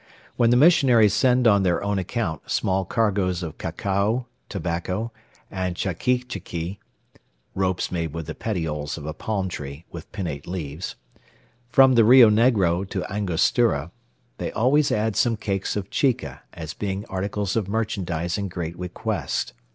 When the missionaries send on their own account small cargoes of cacao, tobacco, and chiquichiqui* (* Ropes made with the petioles of a palm tree with pinnate leaves.) from the Rio Negro to Angostura, they always add some cakes of chica, as being articles of merchandise in great request.